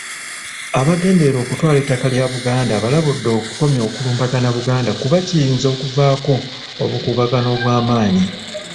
Abagendererwa okutwala ettaka lya Buganda abalabudde okukomya okulumbagana Buganda kuba kiyinza okuvaako obuukubagano obw'amanyi.